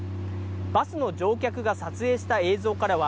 バスの乗客が撮影した映像からは、